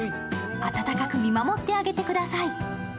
温かく見守ってあげてください。